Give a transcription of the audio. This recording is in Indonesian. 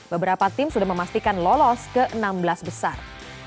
beberapa tim sudah memastikan lolos ke enam belas besar